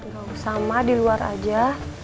gak usah sama di luar aja